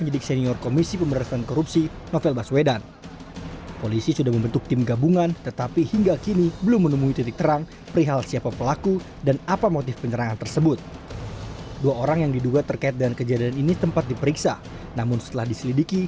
teror penyiraman air keras